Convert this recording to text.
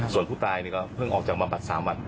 ส่วนผู้ตายก็เพิ่งออกจากบำบัด๓วัน